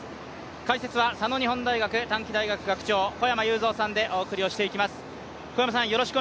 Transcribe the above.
解説は佐野日本大学短期大学学長、小山裕三さんでお送りをしていきます。